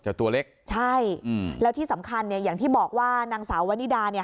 ตัวเล็กใช่อืมแล้วที่สำคัญเนี่ยอย่างที่บอกว่านางสาววนิดาเนี่ย